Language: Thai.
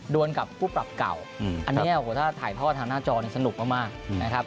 วนกับผู้ปรับเก่าอันนี้โอ้โหถ้าถ่ายทอดทางหน้าจอเนี่ยสนุกมากนะครับ